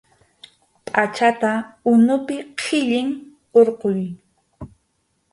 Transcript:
Pʼachata unupi qhillin hurquy.